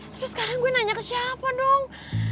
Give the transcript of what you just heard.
terus sekarang gue nanya ke siapa dong